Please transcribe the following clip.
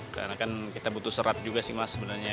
karena kan kita butuh serat juga sih mas sebenarnya